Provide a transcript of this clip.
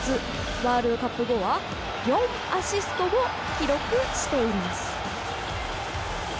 ワールドカップ後は４アシストを記録しています。